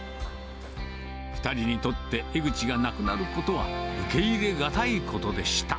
２人にとって、江ぐちがなくなることは、受け入れ難いことでした。